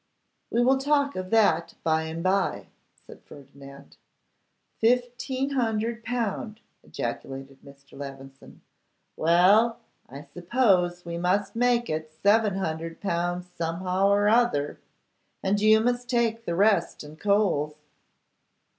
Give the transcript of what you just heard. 'We will talk of that by and by,' said Ferdinand. 'Fifteen hundred pound!' ejaculated Mr. Levison. 'Well, I suppose we must make it 700L. somehow or other, and you must take the rest in coals.